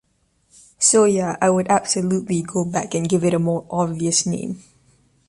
So yeah, I would absolutely go back and give it a more obvious name.